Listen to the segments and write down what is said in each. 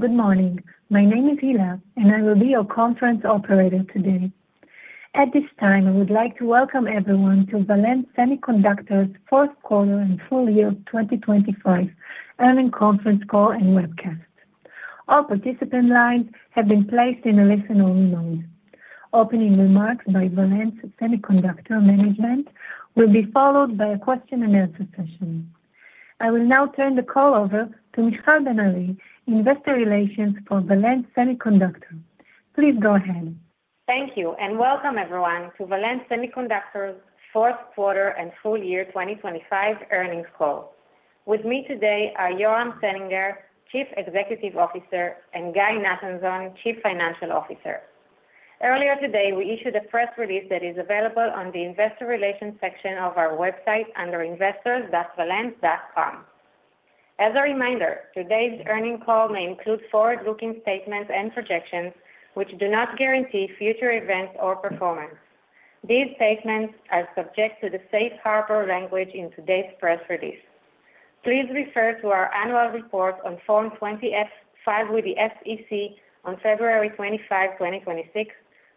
Good morning. My name is Hila. I will be your conference operator today. At this time, I would like to welcome everyone to Valens Semiconductor's Q4 and full year 2025 earnings conference call and webcast. All participant lines have been placed in a listen-only mode. Opening remarks by Valens Semiconductor management will be followed by a Q&A session. I will now turn the call over to Michal Ben Ari, Investor Relations for Valens Semiconductor. Please go ahead. Thank you. Welcome everyone to Valens Semiconductor's Q4 and full year 2025 earnings call. With me today are Yoram Salinger, Chief Executive Officer, and Guy Nathanzon, Chief Financial Officer. Earlier today, we issued a press release that is available on the Investor Relations section of our website under investors.valens.com. As a reminder, today's earnings call may include forward-looking statements and projections, which do not guarantee future events or performance. These statements are subject to the safe harbor language in today's press release. Please refer to our annual report on Form 20-F with the SEC on February 25, 2026,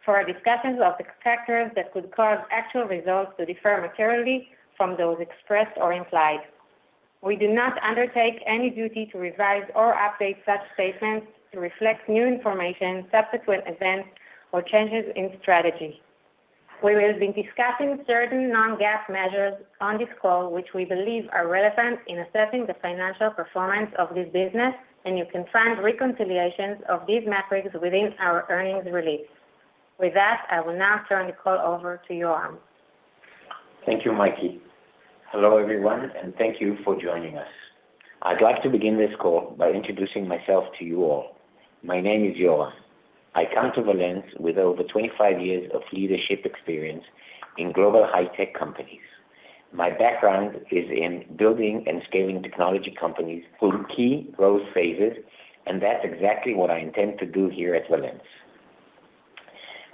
for our discussions of the factors that could cause actual results to differ materially from those expressed or implied. We do not undertake any duty to revise or update such statements to reflect new information, subsequent events, or changes in strategy. We will be discussing certain non-GAAP measures on this call, which we believe are relevant in assessing the financial performance of this business. You can find reconciliations of these metrics within our earnings release. With that, I will now turn the call over to Yoram. Thank you, Mikey. Hello, everyone. Thank you for joining us. I'd like to begin this call by introducing myself to you all. My name is Yoram. I come to Valens with over 25 years of leadership experience in global high-tech companies. My background is in building and scaling technology companies through key growth phases. That's exactly what I intend to do here at Valens.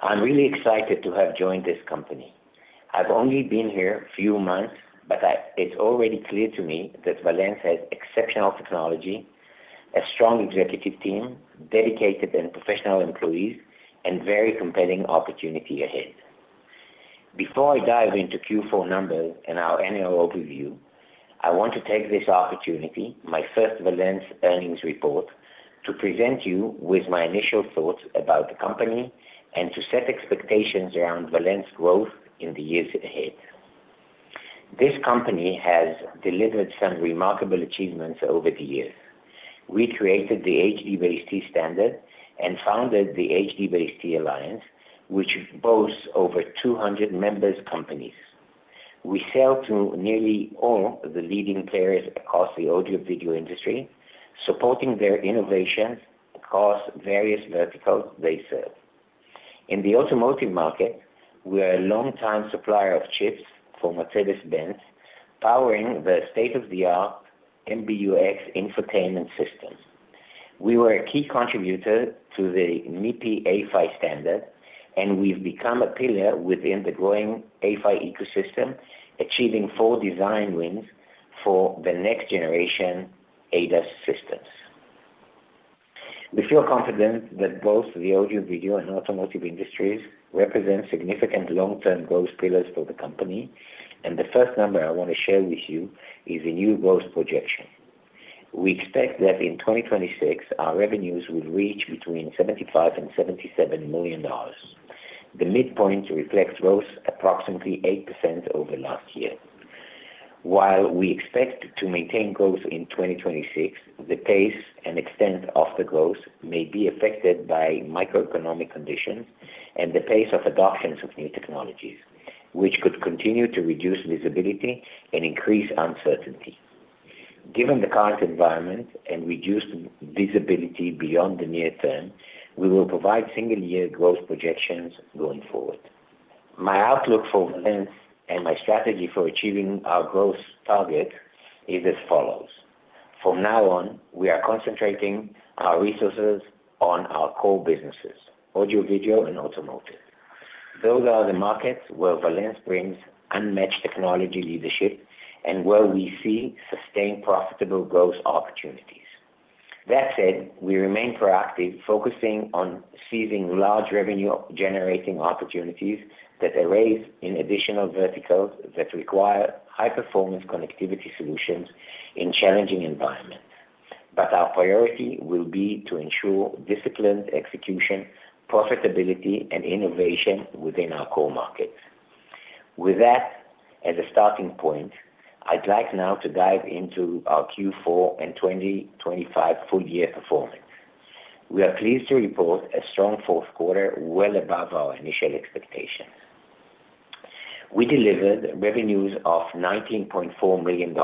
I'm really excited to have joined this company. I've only been here a few months, but it's already clear to me that Valens has exceptional technology, a strong executive team, dedicated and professional employees, and very compelling opportunity ahead. Before I dive into Q4 numbers and our annual overview, I want to take this opportunity, my first Valens earnings report, to present you with my initial thoughts about the company and to set expectations around Valens' growth in the years ahead. This company has delivered some remarkable achievements over the years. We created the HDBaseT standard and founded the HDBaseT Alliance, which boasts over 200 members companies. We sell to nearly all the leading players across the audio/video industry, supporting their innovations across various verticals they serve. In the automotive market, we are a long-time supplier of chips for Mercedes-Benz, powering the state-of-the-art MBUX infotainment systems. We were a key contributor to the MIPI A-PHY standard, and we've become a pillar within the growing A-PHY ecosystem, achieving four design wins for the next-generation ADAS systems. We feel confident that both the audio/video and automotive industries represent significant long-term growth pillars for the company, and the first number I want to share with you is a new growth projection. We expect that in 2026, our revenues will reach between $75 million and $77 million. The midpoint reflects growth approximately 8% over last year. While we expect to maintain growth in 2026, the pace and extent of the growth may be affected by macroeconomic conditions and the pace of adoptions of new technologies, which could continue to reduce visibility and increase uncertainty. Given the current environment and reduced visibility beyond the near term, we will provide single-year growth projections going forward. My outlook for Valens and my strategy for achieving our growth target is as follows: From now on, we are concentrating our resources on our core businesses, audio/video, and automotive. Those are the markets where Valens brings unmatched technology leadership and where we see sustained, profitable growth opportunities. That said, we remain proactive, focusing on seizing large revenue-generating opportunities that arise in additional verticals that require high-performance connectivity solutions in challenging environment. Our priority will be to ensure disciplined execution, profitability, and innovation within our core markets. With that as a starting point, I'd like now to dive into our Q4 and 2025 full year performance. We are pleased to report a strong Q4, well above our initial expectations. We delivered revenues of $19.4 million,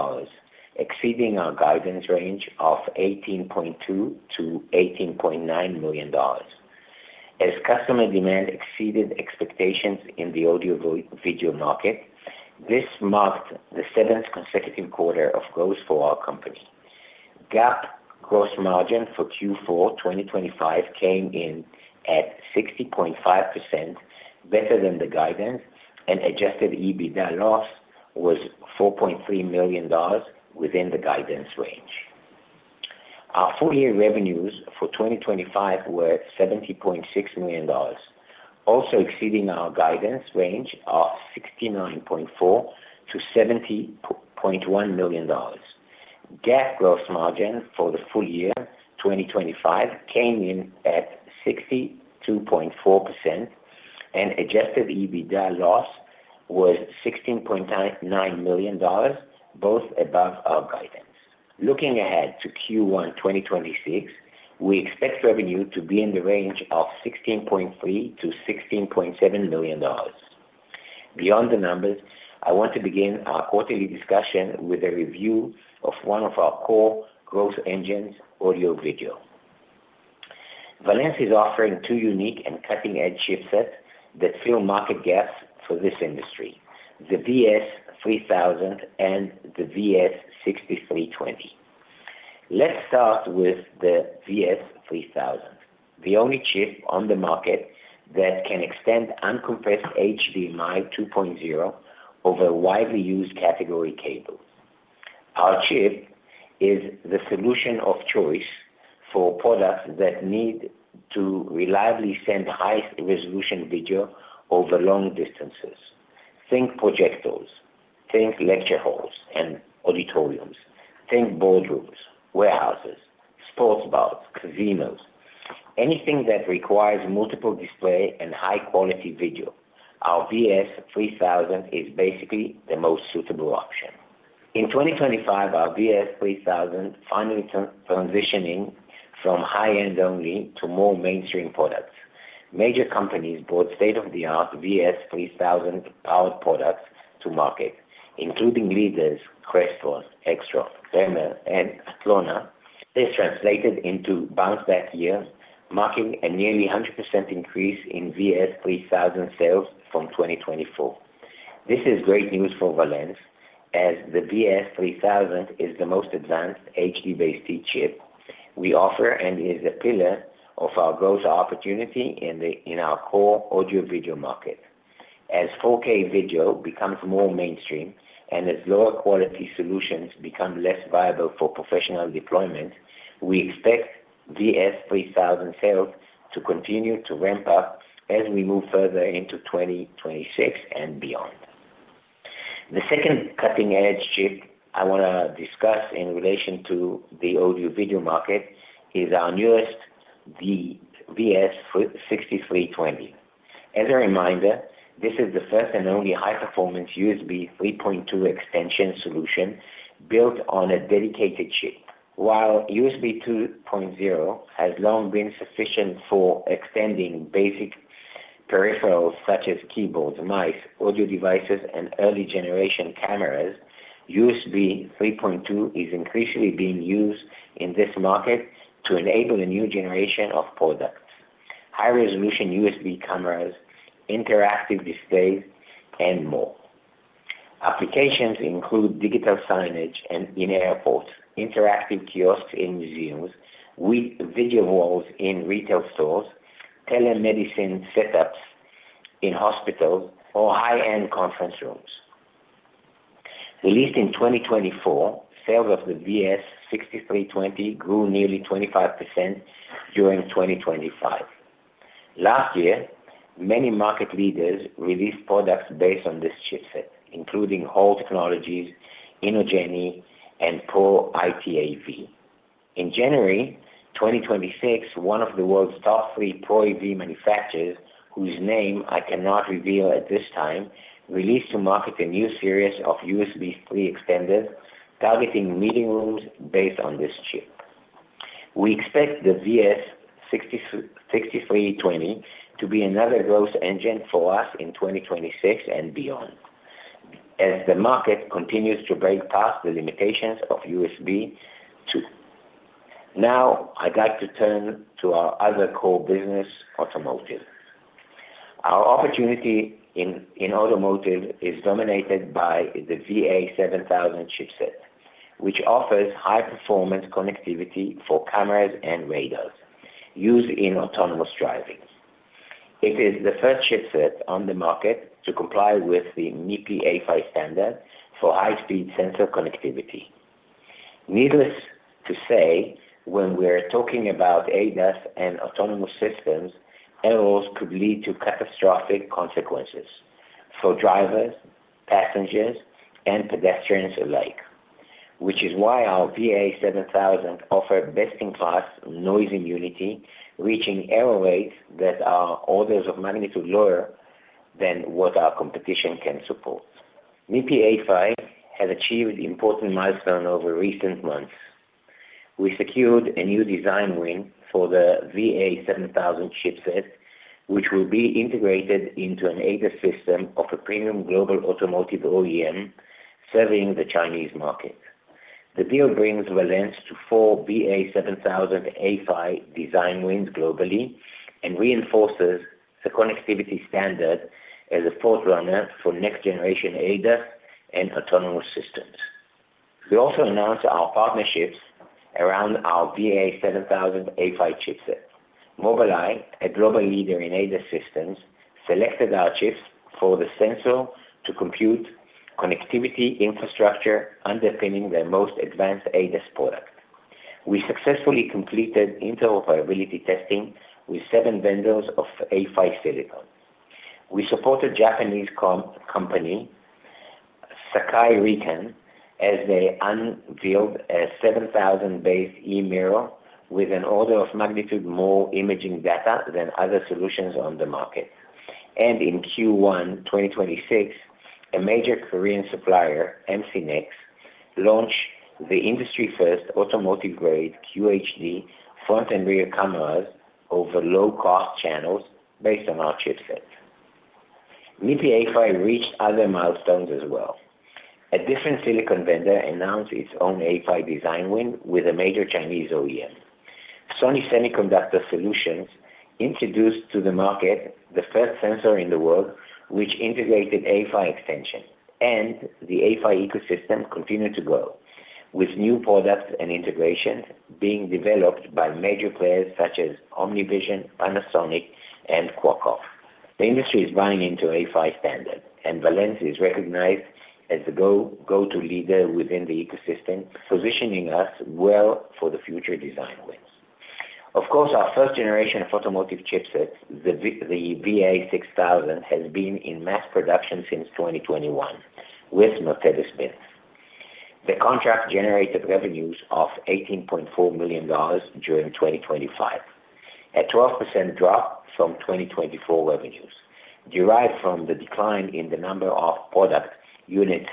exceeding our guidance range of $18.2 million-$18.9 million. As customer demand exceeded expectations in the audio/video market, this marked the seventh consecutive quarter of growth for our company. GAAP gross margin for Q4 2025 came in at 60.5%, better than the guidance, and adjusted EBITDA loss was $4.3 million within the guidance range. Our full year revenues for 2025 were $70.6 million, also exceeding our guidance range of $69.4 million-$70.1 million. GAAP gross margin for the full year, 2025, came in at 62.4%, and adjusted EBITDA loss was $16.9 million, both above our guidance. Looking ahead to Q1 2026, we expect revenue to be in the range of $16.3 million-$16.7 million. Beyond the numbers, I want to begin our quarterly discussion with a review of one of our core growth engines, audio/video. Valens is offering two unique and cutting-edge chipsets that fill market gaps for this industry, the VS3000 and the VS6320. Let's start with the VS3000, the only chip on the market that can extend uncompressed HDMI 2.0 over widely used category cables. Our chip is the solution of choice for products that need to reliably send high-resolution video over long distances. Think projectors, think lecture halls and auditoriums, think boardrooms, warehouses, sports bars, casinos. Anything that requires multiple display and high-quality video, our VS3000 is basically the most suitable option. In 2025, our VS3000 finally transitioning from high-end only to more mainstream products. Major companies brought state-of-the-art VS3000 powered products to market, including leaders Crestron, Extron, Barco, and Atlona. This translated into bounce back year, marking a nearly 100% increase in VS3000 sales from 2024. This is great news for Valens, as the VS3000 is the most advanced HDBaseT chip we offer, and is a pillar of our growth opportunity in our core audio/video market. As 4K video becomes more mainstream and as lower quality solutions become less viable for professional deployment, we expect VS3000 sales to continue to ramp up as we move further into 2026 and beyond. The second cutting-edge chip I want to discuss in relation to the audio/video market is our newest, the VS6320. As a reminder, this is the first and only high-performance USB 3.2 extension solution built on a dedicated chip. While USB 2.0 has long been sufficient for extending basic peripherals such as keyboards, mice, audio devices, and early generation cameras, USB 3.2 is increasingly being used in this market to enable a new generation of products, high-resolution USB cameras, interactive displays, and more. Applications include digital signage in airports, interactive kiosks in museums, video walls in retail stores, telemedicine setups in hospitals, or high-end conference rooms. Released in 2024, sales of the VS6320 grew nearly 25% during 2025. Last year, many market leaders released products based on this chipset, including Hall Technologies, INOGENI, and Pro AV. January 2026, one of the world's top three Pro AV manufacturers, whose name I cannot reveal at this time, released to market a new series of USB 2 extenders targeting meeting rooms based on this chip. We expect the VS6320 to be another growth engine for us in 2026 and beyond, as the market continues to break past the limitations of USB 2. I'd like to turn to our other core business, automotive. Our opportunity in automotive is dominated by the VA7000 chipset, which offers high-performance connectivity for cameras and radars used in autonomous driving. It is the first chipset on the market to comply with the MIPI A-PHY standard for high-speed sensor connectivity. Needless to say, when we're talking about ADAS and autonomous systems, errors could lead to catastrophic consequences for drivers, passengers, and pedestrians alike. Which is why our VA7000 offer best-in-class noise immunity, reaching error rates that are orders of magnitude lower than what our competition can support. MIPI A-PHY has achieved important milestone over recent months. We secured a new design win for the VA7000 chipset, which will be integrated into an ADAS system of a premium global automotive OEM serving the Chinese market. The deal brings Valens to four VA7000 A-PHY design wins globally, reinforces the connectivity standard as a front runner for next generation ADAS and autonomous systems. We also announced our partnerships around our VA7000 A-PHY chipset. Mobileye, a global leader in ADAS systems, selected our chips for the sensor to compute connectivity infrastructure underpinning their most advanced ADAS product. We successfully completed interoperability testing with 7 vendors of A-PHY silicon. We supported Japanese company, Sakae Riken, as they unveiled a VA7000 base e-mirror with an order of magnitude, more imaging data than other solutions on the market. In Q1 2026, a major Korean supplier, MCNEX, launched the industry-first automotive-grade QHD front and rear cameras over low-cost channels based on our chipset. A-PHY reached other milestones as well. A different silicon vendor announced its own A-PHY design win with a major Chinese OEM. Sony Semiconductor Solutions introduced to the market the first sensor in the world, which integrated A-PHY extension. The A-PHY ecosystem continued to grow, with new products and integrations being developed by major players such as OmniVision, Panasonic, and Qualcomm. The industry is buying into A-PHY standard. Valens is recognized as the go-to leader within the ecosystem, positioning us well for the future design wins. Of course, our first generation of automotive chipsets, the VA6000, has been in mass production since 2021 with Mercedes-Benz. The contract generated revenues of $18.4 million during 2025, a 12% drop from 2024 revenues, derived from the decline in the number of product units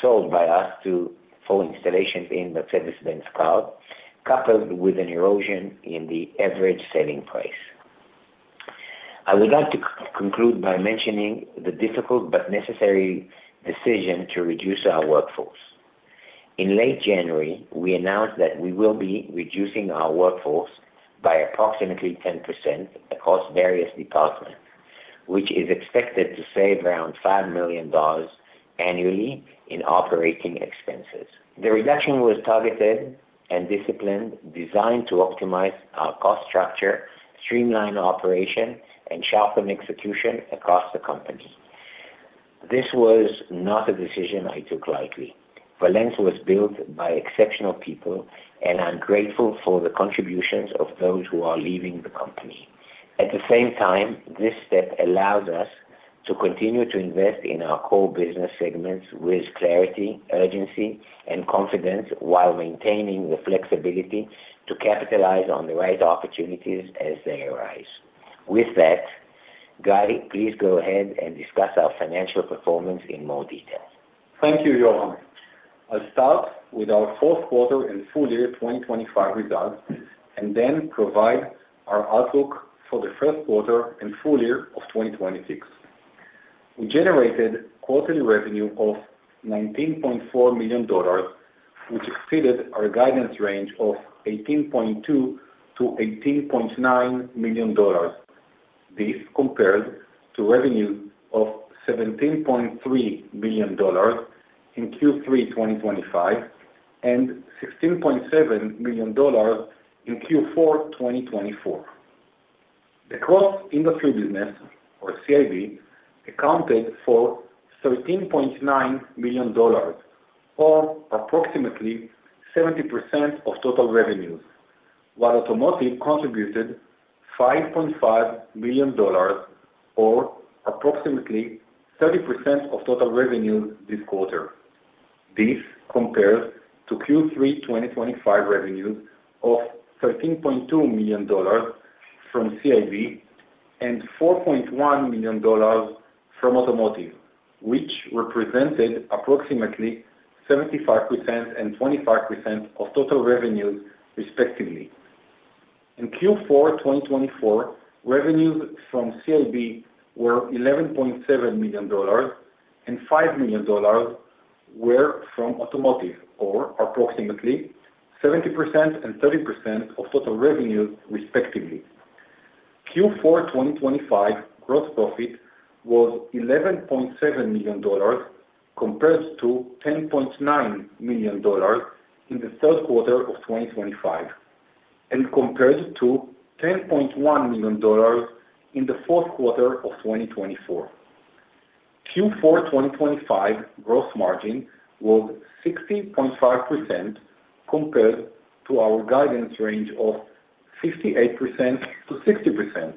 sold by us to full installations in Mercedes-Benz cloud, coupled with an erosion in the average selling price. I would like to conclude by mentioning the difficult but necessary decision to reduce our workforce. In late January, we announced that we will be reducing our workforce by approximately 10% across various departments, which is expected to save around $5 million annually in operating expenses. The reduction was targeted and disciplined, designed to optimize our cost structure, streamline operation, and sharpen execution across the company. This was not a decision I took lightly. Valens was built by exceptional people, and I'm grateful for the contributions of those who are leaving the company. At the same time, this step allows us to continue to invest in our core business segments with clarity, urgency, and confidence while maintaining the flexibility to capitalize on the right opportunities as they arise. With that, Guy, please go ahead and discuss our financial performance in more detail. Thank you, Yoram. I'll start with our Q4 and full year 2025 results, and then provide our outlook for the Q1 and full year of 2026. We generated quarterly revenue of $19.4 million, which exceeded our guidance range of $18.2 million-$18.9 million. This compares to revenue of $17.3 million in Q3 2025, and $16.7 million in Q4 2024. The Cross-Industry Business, or CIB, accounted for $13.9 million, or approximately 70% of total revenues, while Automotive contributed $5.5 million or approximately 30% of total revenues this quarter. This compares to Q3 2025 revenues of $13.2 million from CIB and $4.1 million from Automotive, which represented approximately 75% and 25% of total revenues, respectively. In Q4 2024, revenues from CIB were $11.7 million, and $5 million were from Automotive, or approximately 70% and 30% of total revenues, respectively. Q4 2025 gross profit was $11.7 million, compared to $10.9 million in the Q3 of 2025, and compared to $10.1 million in the Q4 of 2024. Q4 2025 gross margin was 60.5%, compared to our guidance range of 58%-60%.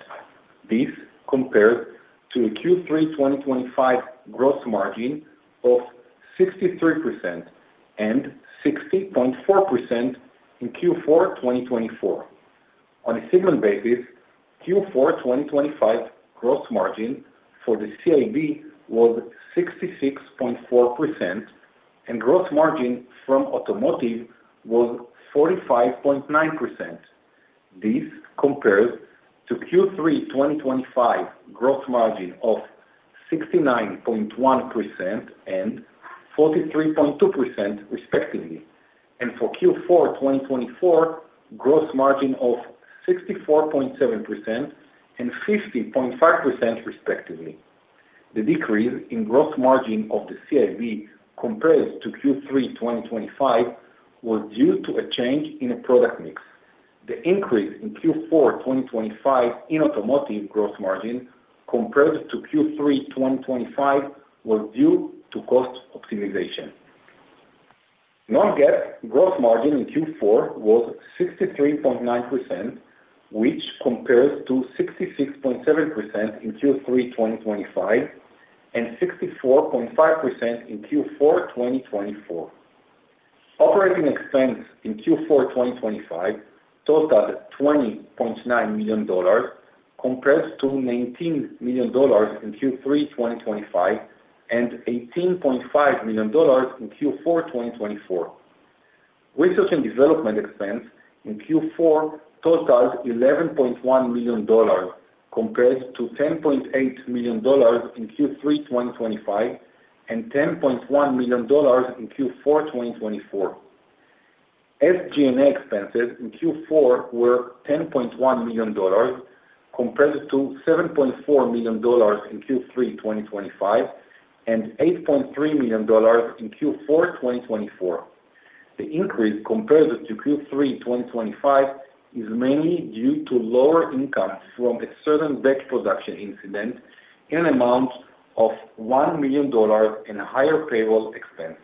This compares to a Q3 2025 gross margin of 63% and 60.4% in Q4 2024. On a segment basis, Q4 2025 gross margin for the CIB was 66.4%, and gross margin from Automotive was 45.9%. This compares to Q3 2025 gross margin of 69.1% and 43.2%, respectively. For Q4 2024, gross margin of 64.7% and 50.5%, respectively. The decrease in gross margin of the CIB compared to Q3 2025, was due to a change in a product mix. The increase in Q4 2025 in automotive gross margin compared to Q3 2025, was due to cost optimization. Non-GAAP gross margin in Q4 was 63.9%, which compares to 66.7% in Q3 2025, and 64.5% in Q4 2024. Operating expense in Q4 2025 totaled $20.9 million, compared to $19 million in Q3 2025, and $18.5 million in Q4 2024. Research and development expense in Q4 totaled $11.1 million, compared to $10.8 million in Q3 2025, and $10.1 million in Q4 2024. SG&A expenses in Q4 were $10.1 million, compared to $7.4 million in Q3 2025, and $8.3 million in Q4 2024. The increase compared to Q3 2025, is mainly due to lower income from a certain batch production incident in an amount of $1 million and a higher payroll expense.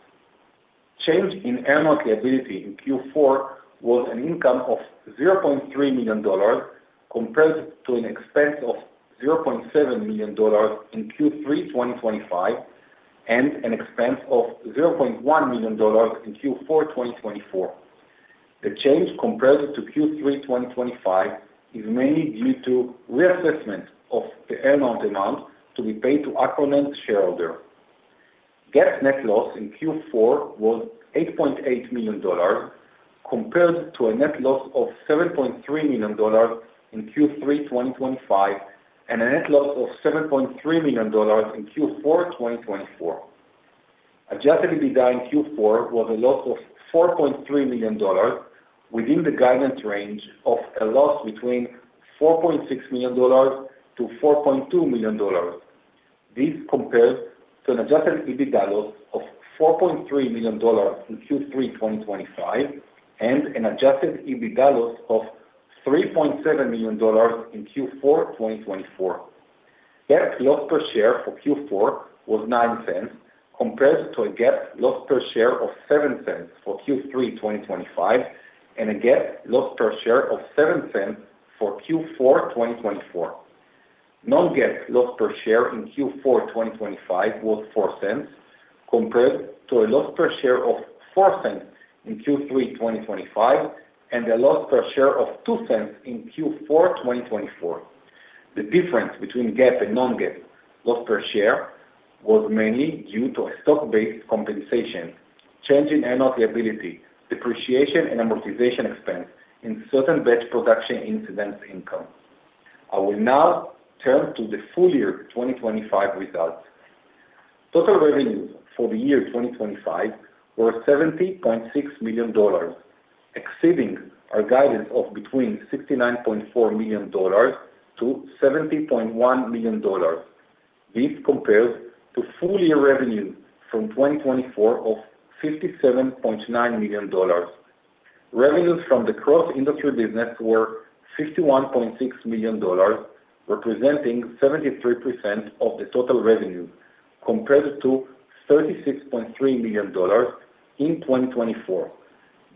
Change in earnout liability in Q4 was an income of $0.3 million, compared to an expense of $0.7 million in Q3 2025, and an expense of $0.1 million in Q4 2024. The change compared to Q3 2025, is mainly due to reassessment of the earnout amount to be paid to Acroname shareholder. GAAP net loss in Q4 was $8.8 million, compared to a net loss of $7.3 million in Q3 2025, and a net loss of $7.3 million in Q4 2024. adjusted EBITDA in Q4 was a loss of $4.3 million, within the guidance range of a loss between $4.6 million and $4.2 million. This compares to an adjusted EBITDA loss of $4.3 million in Q3 2025, and an adjusted EBITDA loss of $3.7 million in Q4 2024. GAAP loss per share for Q4 was $0.09, compared to a GAAP loss per share of $0.07 for Q3 2025, and a GAAP loss per share of $0.07 for Q4 2024. Non-GAAP loss per share in Q4 2025 was $0.04, compared to a loss per share of $0.04 in Q3 2025, and a loss per share of $0.02 in Q4 2024. The difference between GAAP and non-GAAP loss per share was mainly due to a stock-based compensation, change in earnout liability, depreciation and amortization expense, and certain batch production incidents income. I will now turn to the full year 2025 results. Total revenues for the year 2025 were $70.6 million, exceeding our guidance of between $69.4 million and $70.1 million. This compares to full year revenue from 2024 of $57.9 million. Revenues from the Cross-Industry Business were $51.6 million, representing 73% of the total revenue, compared to $36.3 million in 2024.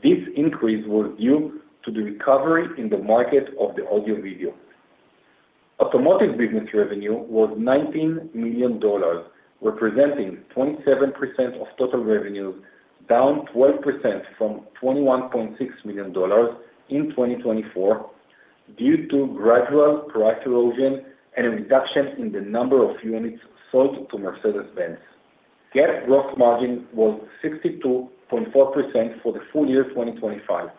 This increase was due to the recovery in the market of the audio/video. Automotive business revenue was $19 million, representing 27% of total revenue, down 12% from $21.6 million in 2024, due to gradual price erosion and a reduction in the number of units sold to Mercedes-Benz. GAAP gross margin was 62.4% for the full year 2025,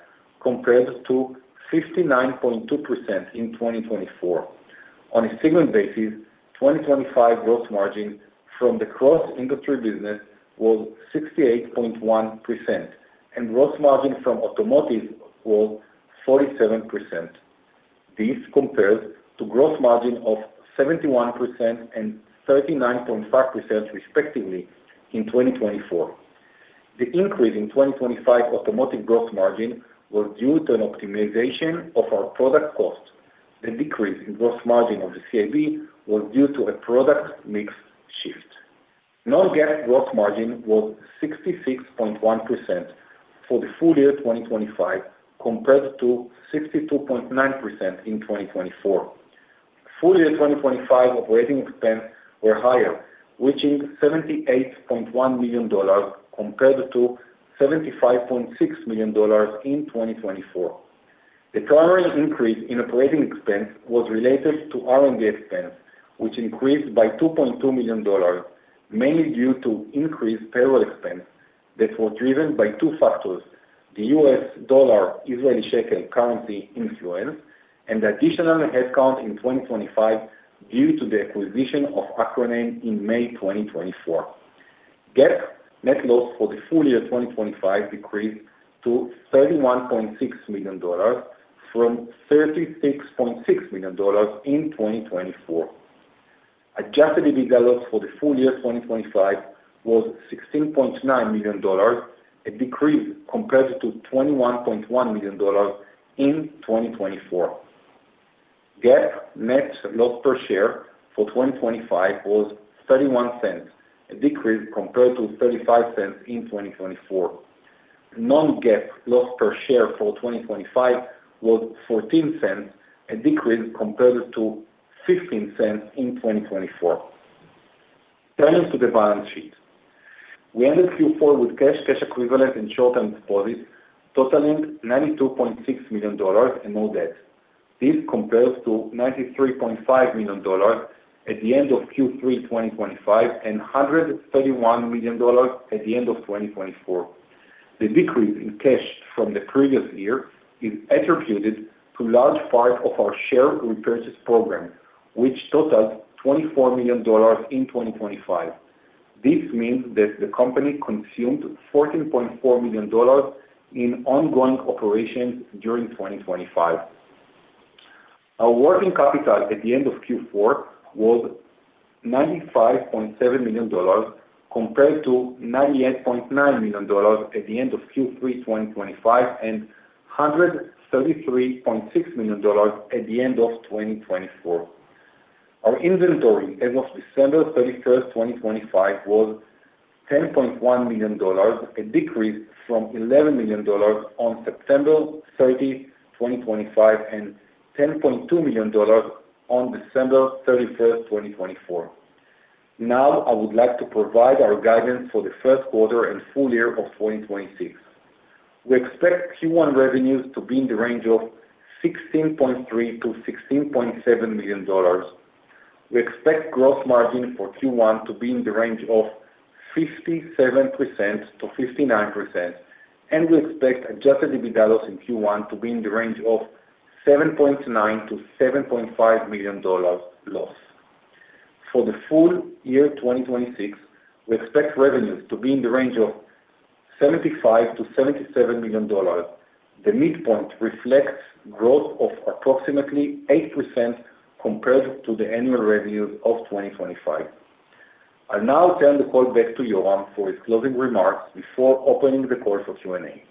compared to 59.2% in 2024. On a segment basis, 2025 gross margin from the Cross-Industry Business was 68.1%, and gross margin from automotive was 47%. This compares to gross margin of 71% and 39.5%, respectively, in 2024. The increase in 2025 automotive gross margin was due to an optimization of our product cost. The decrease in gross margin of the CIB was due to a product mix shift. non-GAAP gross margin was 66.1% for the full year 2025, compared to 62.9% in 2024. Full year 2025 operating expense were higher, reaching $78.1 million, compared to $75.6 million in 2024. The primary increase in operating expense was related to R&D expense, which increased by $2.2 million, mainly due to increased payroll expense that was driven by two factors: the U.S. dollar Israeli shekel currency influence, and the additional headcount in 2025 due to the acquisition of Acroname in May 2024. GAAP net loss for the full year 2025 decreased to $31.6 million from $36.6 million in 2024. Adjusted EBITDA loss for the full year 2025 was $16.9 million, a decrease compared to $21.1 million in 2024. GAAP net loss per share for 2025 was $0.31, a decrease compared to $0.35 in 2024. Non-GAAP loss per share for 2025 was $0.14, a decrease compared to $0.15 in 2024. Turning to the balance sheet. We ended Q4 with cash equivalents, and short-term deposits totaling $92.6 million and no debt. This compares to $93.5 million at the end of Q3 2025 and $131 million at the end of 2024. The decrease in cash from the previous year is attributed to large part of our share repurchase program, which totaled $24 million in 2025. This means that the company consumed $14.4 million in ongoing operations during 2025. Our working capital at the end of Q4 was $95.7 million, compared to $98.9 million at the end of Q3 2025, and $133.6 million at the end of 2024. Our inventory as of December 31st, 2025, was $10.1 million, a decrease from $11 million on September 30, 2025, and $10.2 million on December 31st, 2024. I would like to provide our guidance for Q1 and full year 2026. We expect Q1 revenues to be in the range of $16.3 million-$16.7 million. We expect gross margin for Q1 to be in the range of 57%-59%, and we expect adjusted EBITDA loss in Q1 to be in the range of $7.9 million-$7.5 million loss. For the full year 2026, we expect revenues to be in the range of $75 million-$77 million. The midpoint reflects growth of approximately 8% compared to the annual revenues of 2025. I'll now turn the call back to Yoram for his closing remarks before opening the course of Q&A.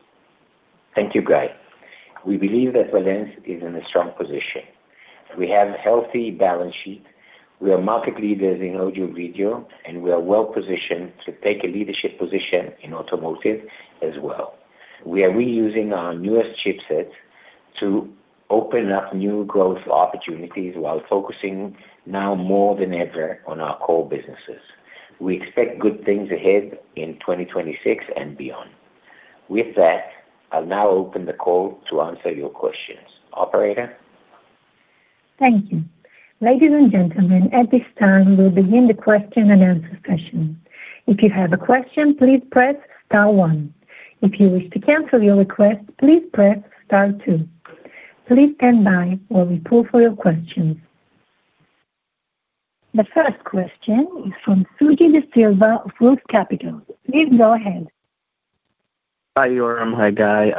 Thank you, Guy. We believe that Valens is in a strong position. We have a healthy balance sheet. We are market leaders in audio/video, and we are well positioned to take a leadership position in automotive as well. We are reusing our newest chipsets to open up new growth opportunities while focusing now more than ever on our core businesses. We expect good things ahead in 2026 and beyond. With that, I'll now open the call to answer your questions. Operator? Thank you. Ladies and gentlemen, at this time, we'll begin the Q&A session. If you have a question, please press star one. If you wish to cancel your request, please press star two. Please stand by while we pull for your questions. The first question is from Suji Desilva of ROTH MKM. Please go ahead. Hi, Yoram. Hi, Guy.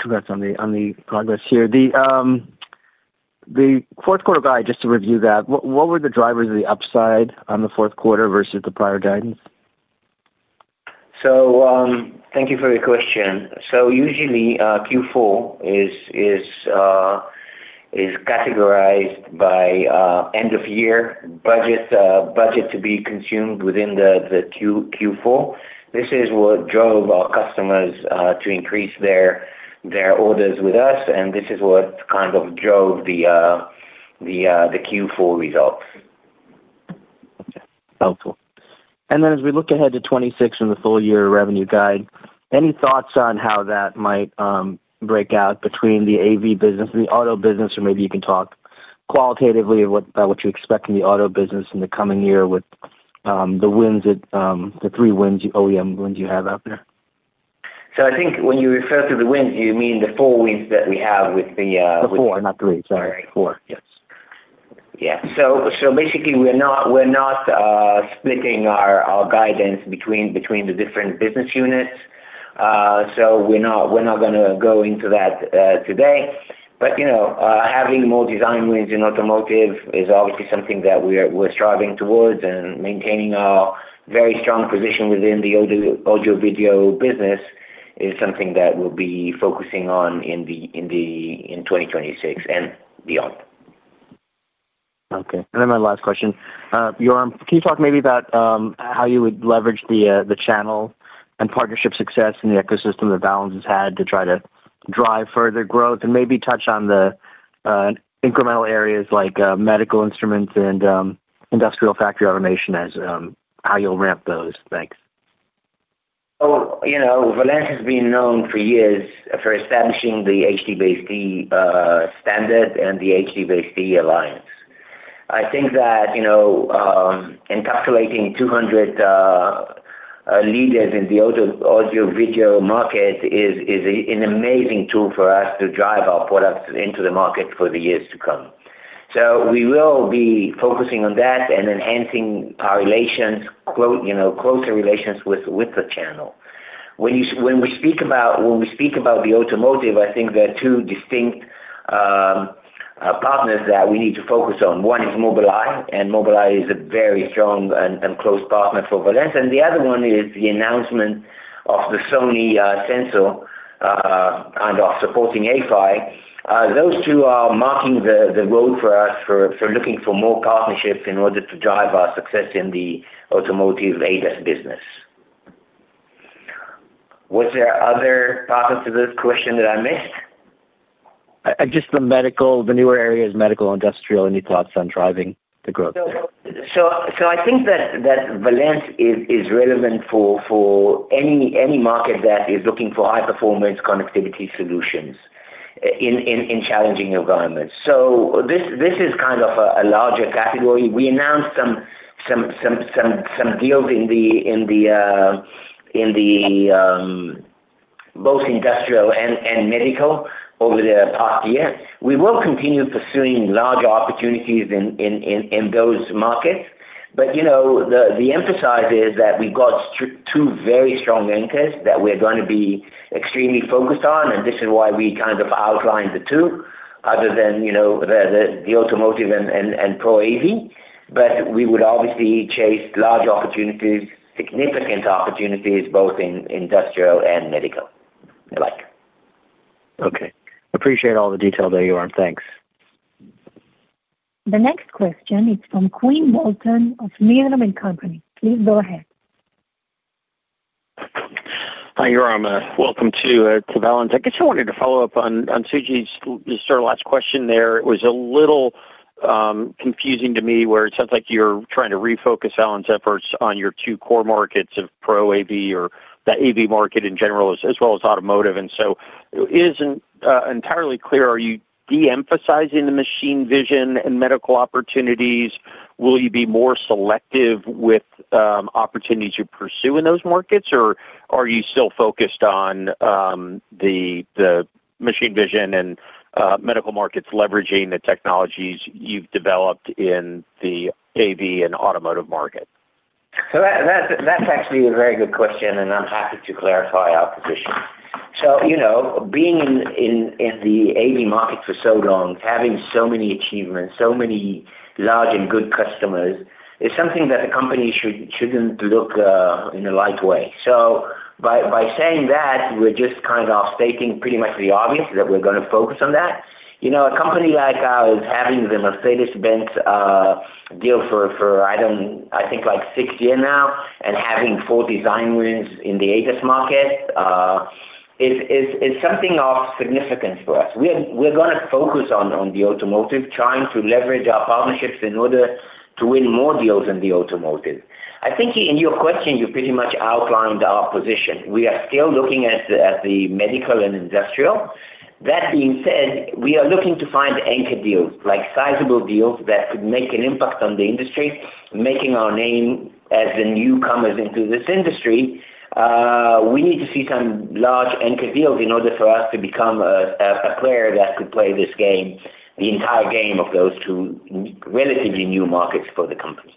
Congrats on the progress here. The Q4 guide, just to review that, what were the drivers of the upside on the Q4 versus the prior guidance? Thank you for your question. Usually, Q4 is categorized by end-of-year budget to be consumed within the Q4. This is what drove our customers to increase their orders with us, this is what kind of drove the Q4 results. Okay. Helpful. Then as we look ahead to 2026 and the full year revenue guide, any thoughts on how that might break out between the AV business and the auto business? Maybe you can talk qualitatively what about what you expect in the auto business in the coming year with the wins that the three wins, OEM wins you have out there? I think when you refer to the wins, you mean the 4 wins that we have with the. The four, not three. Sorry. Four. Yes. Yeah. Basically, we're not splitting our guidance between the different business units. We're not gonna go into that today. You know, having more design wins in automotive is obviously something that we're striving towards, and maintaining our very strong position within the audio/video business is something that we'll be focusing on in 2026 and beyond. Okay, my last question. Yoram, can you talk maybe about how you would leverage the channel and partnership success in the ecosystem that Valens has had to try to drive further growth? Maybe touch on the incremental areas like medical instruments and industrial factory automation as how you'll ramp those. Thanks. You know, Valens has been known for years for establishing the HDBaseT standard and the HDBaseT Alliance. I think that, you know, encapsulating 200 leaders in the audio/video market is an amazing tool for us to drive our products into the market for the years to come. we will be focusing on that and enhancing our relations, quote, you know, closer relations with the channel. When we speak about the automotive, I think there are two distinct partners that we need to focus on. One is Mobileye, and Mobileye is a very strong and close partner for Valens. the other one is the announcement of the Sony sensor and are supporting A-PHY. Those two are marking the road for us for looking for more partnerships in order to drive our success in the automotive ADAS business. Was there other parts to this question that I missed? Just the medical, the newer areas, medical, industrial, any thoughts on driving the growth there? I think Valens is relevant for any market that is looking for high-performance connectivity solutions in challenging environments. This is kind of a larger category. We announced some deals in the both industrial and medical over the past year. We will continue pursuing larger opportunities in those markets. You know, the emphasis is that we got two very strong anchors that we're going to be extremely focused on, and this is why we kind of outlined the two other than, you know, the automotive and Pro AV. We would obviously chase large opportunities, significant opportunities, both in industrial and medical alike. Okay. Appreciate all the detail there, Yoram. Thanks. The next question is from Quinn Bolton of Needham & Company. Please go ahead. Hi, Yoram. Welcome to Valens. I guess I wanted to follow up on Sujit's sort of last question there. It was a little confusing to me, where it sounds like you're trying to refocus Valens' efforts on your two core markets of Pro AV or the AV market in general, as well as automotive. It isn't entirely clear, are you de-emphasizing the machine vision and medical opportunities? Will you be more selective with opportunities you pursue in those markets? Or are you still focused on the machine vision and medical markets leveraging the technologies you've developed in the AV and automotive market? That's actually a very good question, and I'm happy to clarify our position. You know, being in the AV market for so long, having so many achievements, so many large and good customers, is something that the company shouldn't look in a light way. By saying that, we're just kind of stating pretty much the obvious, that we're gonna focus on that. You know, a company like having the Mercedes-Benz deal for I think like 6 years now, and having four design wins in the ADAS market, is something of significance for us. We're gonna focus on the automotive, trying to leverage our partnerships in order to win more deals in the automotive. I think in your question, you pretty much outlined our position. We are still looking at the medical and industrial. That being said, we are looking to find anchor deals, like sizable deals that could make an impact on the industry, making our name as the newcomers into this industry. We need to see some large anchor deals in order for us to become a player that could play this game, the entire game of those two relatively new markets for the company.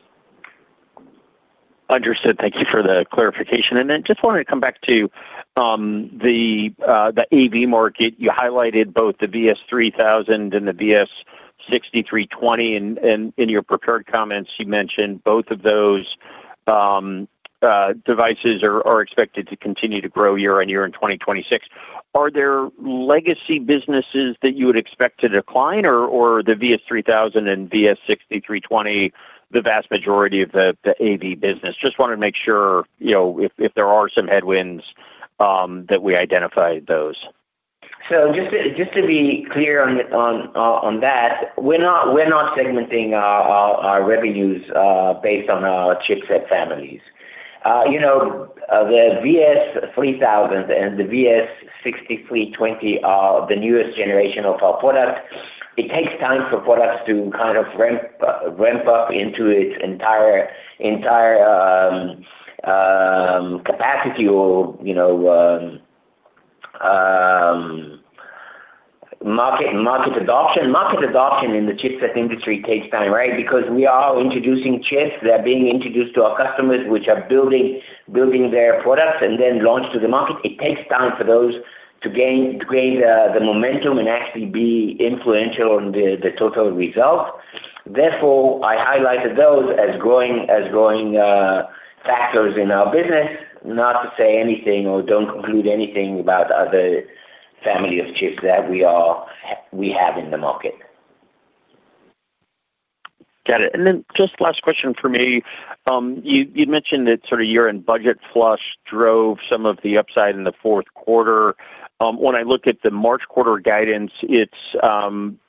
Understood. Thank you for the clarification. Just wanted to come back to the AV market. You highlighted both the VS3000 and the VS6320, and in your prepared comments, you mentioned both of those devices are expected to continue to grow year-on-year in 2026. Are there legacy businesses that you would expect to decline, or the VS3000 and VS6320, the vast majority of the AV business? Just wanted to make sure, you know, if there are some headwinds that we identify those. Just to be clear on that, we're not segmenting our revenues based on our chipset families. You know, the VS3000 and the VS6320 are the newest generation of our products. It takes time for products to kind of ramp up into its entire capacity or, you know, market adoption. Market adoption in the chipset industry takes time, right? Because we are introducing chips that are being introduced to our customers, which are building their products and then launch to the market. It takes time for those to gain the momentum and actually be influential on the total result. Therefore, I highlighted those as growing factors in our business, not to say anything or don't conclude anything about other family of chips that we have in the market. Got it. Just last question for me. You'd mentioned that sort of year-end budget flush drove some of the upside in the Q4. When I look at the March quarter guidance, it's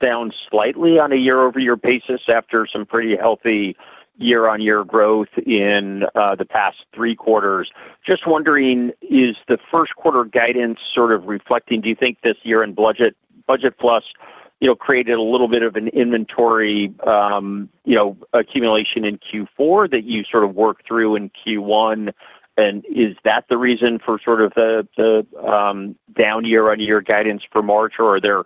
down slightly on a year-over-year basis after some pretty healthy year-on-year growth in the past three quarters. Just wondering, is the Q1 guidance sort of reflecting, do you think, this year-end budget flush? you know, created a little bit of an inventory, you know, accumulation in Q4 that you sort of worked through in Q1, and is that the reason for sort of the down year-on-year guidance for March? Are there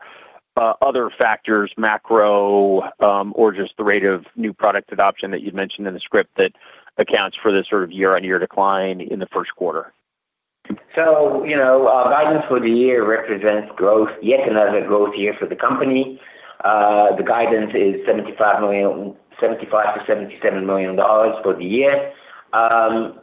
other factors, macro, or just the rate of new product adoption that you'd mentioned in the script that accounts for the sort of year-on-year decline in the Q1? You know, our guidance for the year represents growth, yet another growth year for the company. The guidance is $75 million-$77 million for the year.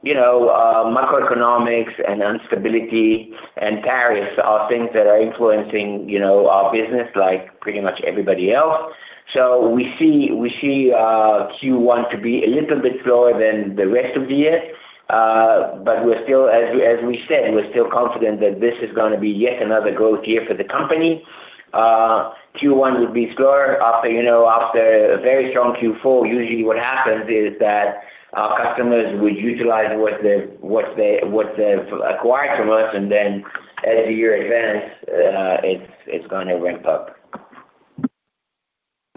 You know, macroeconomics and instability and tariffs are things that are influencing, you know, our business like pretty much everybody else. We see Q1 to be a little bit slower than the rest of the year, we're still, as we said, we're still confident that this is gonna be yet another growth year for the company. Q1 will be slower after, you know, after a very strong Q4. Usually what happens is that our customers will utilize what they've acquired from us, and then as the year advance, it's gonna ramp up.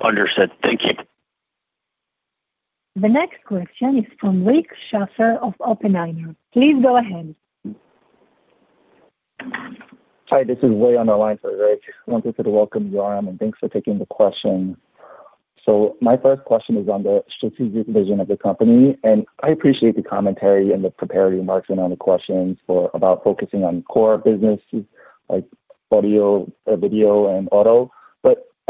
Understood. Thank you. The next question is from Rick Schafer of Oppenheimer. Please go ahead. Hi, this is Ray on the line for Rick. Thank you for the welcome, Yoram, and thanks for taking the question. My first question is on the strategic vision of the company, and I appreciate the commentary and the prepared remarks and on the questions for about focusing on core businesses like audio/video and auto.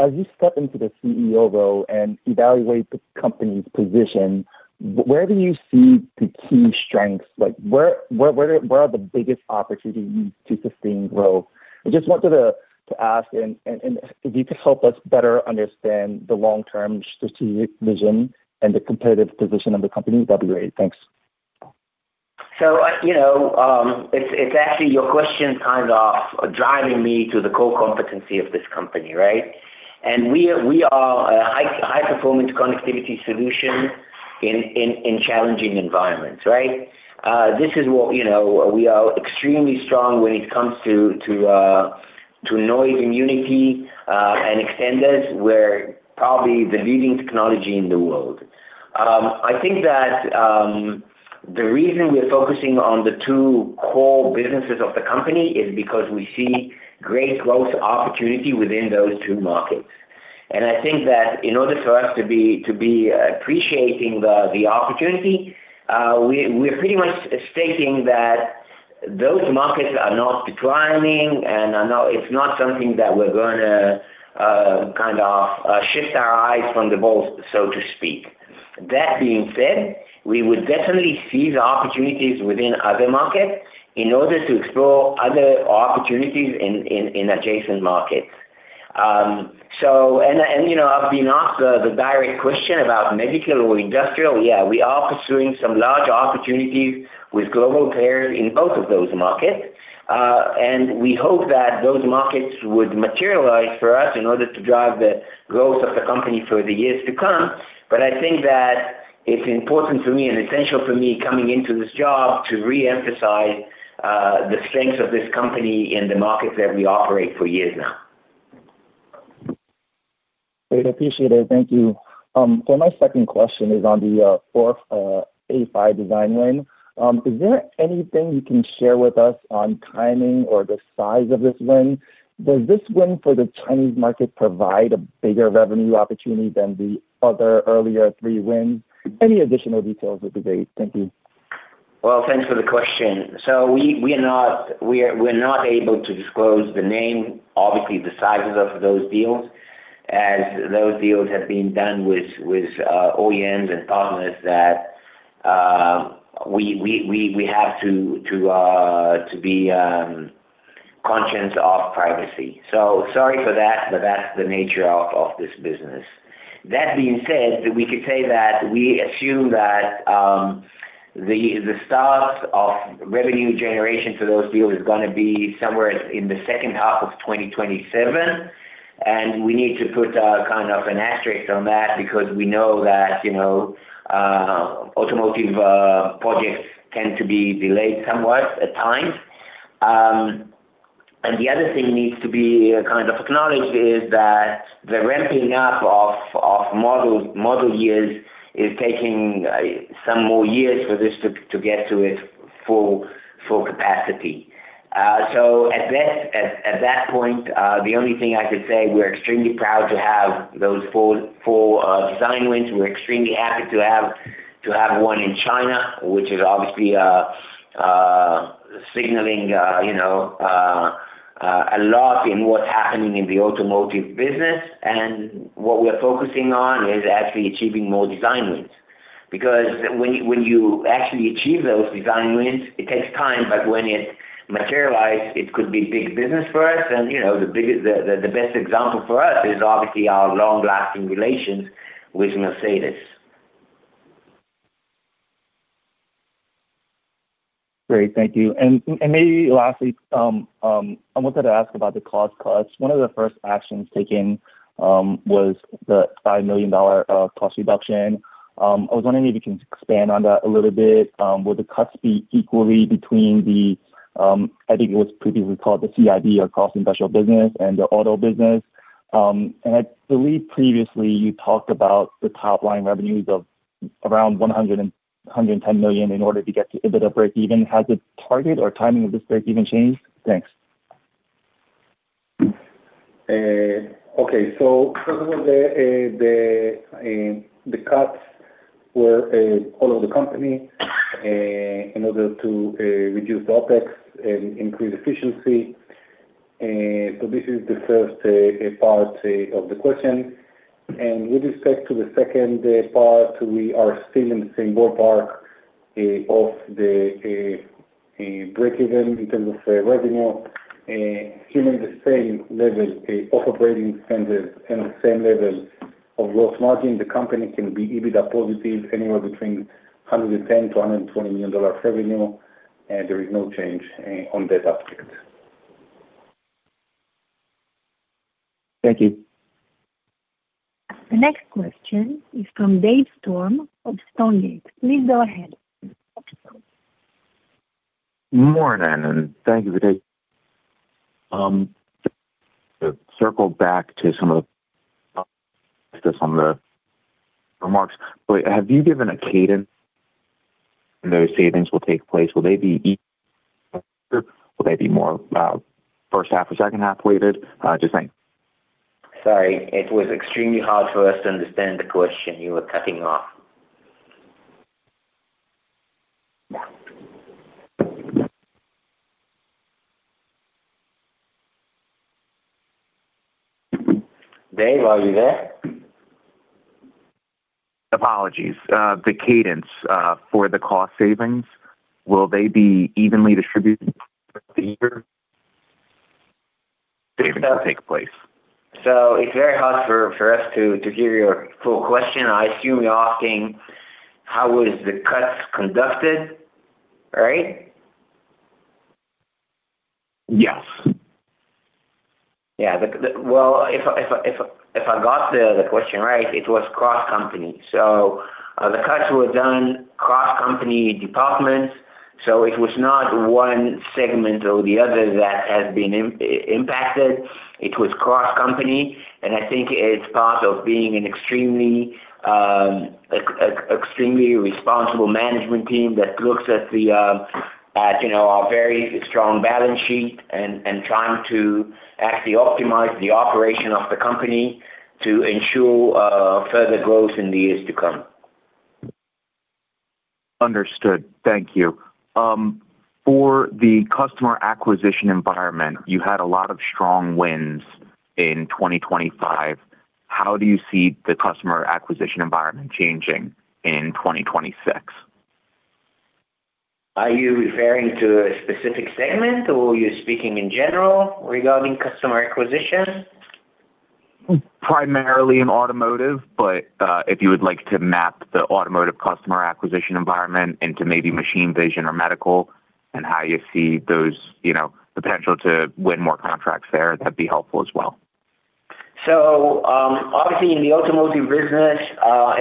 As you step into the Chief Executive Officer role and evaluate the company's position, where do you see the key strengths? Like, where are the biggest opportunities to sustain growth? I just wanted to ask and if you could help us better understand the long-term strategic vision and the competitive position of the company. Thanks. you know, it's actually your question kind of driving me to the core competency of this company, right? we are a high-performance connectivity solution in challenging environments, right? this is what, you know, we are extremely strong when it comes to noise immunity and extended, we're probably the leading technology in the world. I think that the reason we are focusing on the two core businesses of the company is because we see great growth opportunity within those two markets. I think that in order for us to be appreciating the opportunity, we're pretty much stating that those markets are not declining and are not. It's not something that we're gonna kind of shift our eyes from the ball, so to speak. That being said, we would definitely see the opportunities within other markets in order to explore other opportunities in adjacent markets. And, you know, I've been asked the direct question about medical or industrial. Yeah, we are pursuing some large opportunities with global players in both of those markets, and we hope that those markets would materialize for us in order to drive the growth of the company for the years to come. I think that it's important for me and essential for me coming into this job to re-emphasize the strengths of this company in the markets that we operate for years now. Great. Appreciate it. Thank you. My second question is on the fourth A-PHY design win. Is there anything you can share with us on timing or the size of this win? Does this win for the Chinese market provide a bigger revenue opportunity than the other earlier three wins? Any additional details would be great. Thank you. Well, thanks for the question. We are not, we're not able to disclose the name, obviously the sizes of those deals, as those deals have been done with OEMs and partners that we have to be conscious of privacy. Sorry for that, but that's the nature of this business. That being said, we could say that we assume that the start of revenue generation for those deals is gonna be somewhere in the second half of 2027, and we need to put kind of an asterisk on that because we know that, you know, automotive projects tend to be delayed somewhat at times. The other thing needs to be kind of acknowledged is that the ramping up of model years is taking some more years for this to get to its full capacity. At that point, the only thing I could say, we're extremely proud to have those four design wins. We're extremely happy to have one in China, which is obviously signaling, you know, a lot in what's happening in the automotive business. What we are focusing on is actually achieving more design wins, because when you actually achieve those design wins, it takes time, but when it materialize, it could be big business for us. You know, the best example for us is obviously our long-lasting relations with Mercedes. Great. Thank you. Maybe lastly, I wanted to ask about the cost cuts. One of the first actions taken, was the $5 million cost reduction. I was wondering if you can expand on that a little bit. Will the cuts be equally between the, I think it was previously called the CIB, Cross-Industry Business and the auto business? I believe previously you talked about the top line revenues of around $100 million-$110 million in order to get to EBITDA breakeven. Has the target or timing of this breakeven changed? Thanks. Okay. First of all, the cuts were all over the company in order to reduce the OpEx and increase efficiency. This is the first part of the question. With respect to the second part, we are still in the same ballpark of the breakeven in terms of revenue, assuming the same level of operating expenses and the same level of gross margin, the company can be EBITDA positive, anywhere between $110 million-$120 million revenue, and there is no change on that aspect. Thank you. The next question is from Dave Storm of Stonegate. Please go ahead. Good morning, thank you for today. To circle back to some of the remarks, but have you given a cadence those savings will take place? Will they be more first half or second half weighted? Just saying. Sorry, it was extremely hard for us to understand the question. You were cutting off. Dave, are you there? Apologies. The cadence, for the cost savings, will they be evenly distributed for the year? David, take place. It's very hard for us to hear your full question. I assume you're asking how is the cuts conducted, right? Yes. Well, if I got the question right, it was cross-company. The cuts were done across company departments, so it was not one segment or the other that has been impacted. It was cross-company, I think it's part of being an extremely responsible management team that looks at the, you know, our very strong balance sheet and trying to actually optimize the operation of the company to ensure further growth in the years to come. Understood. Thank you. For the customer acquisition environment, you had a lot of strong wins in 2025. How do you see the customer acquisition environment changing in 2026? Are you referring to a specific segment, or were you speaking in general regarding customer acquisition? Primarily in automotive, if you would like to map the automotive customer acquisition environment into maybe machine vision or medical, and how you see those, you know, potential to win more contracts there, that'd be helpful as well. Obviously, in the automotive business,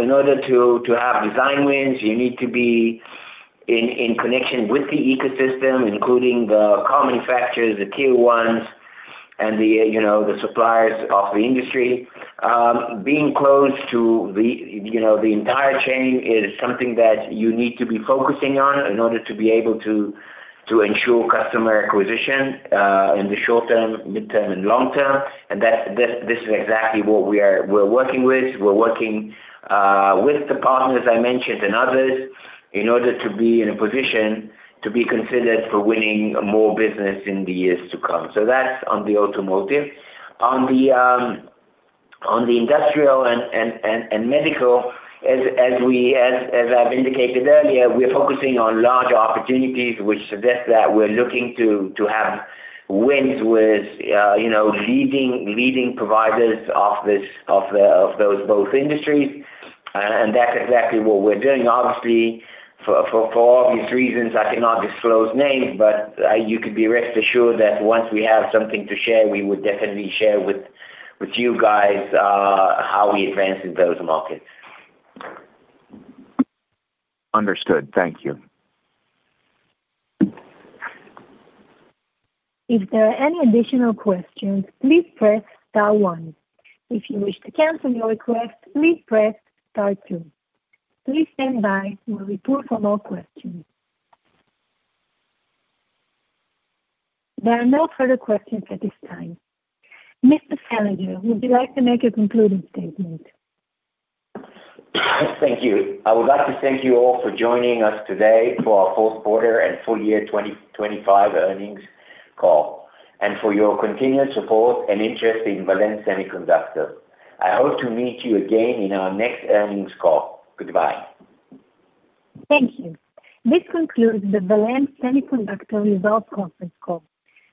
in order to have design wins, you need to be in connection with the ecosystem, including the car manufacturers, the tier ones, and the, you know, suppliers of the industry. Being close to the, you know, entire chain is something that you need to be focusing on in order to be able to ensure customer acquisition, in the short term, mid-term, and long-term, and that, this is exactly what we are, we're working with. We're working with the partners I mentioned and others, in order to be in a position to be considered for winning more business in the years to come. That's on the automotive. On the industrial and medical, as I've indicated earlier, we're focusing on larger opportunities, which suggests that we're looking to have wins with, you know, leading providers of those both industries. That's exactly what we're doing. Obviously, for obvious reasons, I cannot disclose names, but you could be rest assured that once we have something to share, we would definitely share with you guys, how we advance in those markets. Understood. Thank you. If there are any additional questions, please press star one. If you wish to cancel your request, please press star two. Please stand by. We'll report for more questions. There are no further questions at this time. Mr. Salinger, would you like to make a concluding statement? Thank you. I would like to thank you all for joining us today for our Q4 and full year 2025 earnings call, and for your continued support and interest in Valens Semiconductor. I hope to meet you again in our next earnings call. Goodbye. Thank you. This concludes the Valens Semiconductor results Conference Call.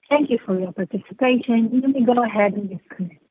Thank you for your participation. You may go ahead and disconnect.